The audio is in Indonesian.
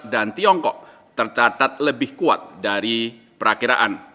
dan tiongkok tercatat lebih kuat dari perakiraan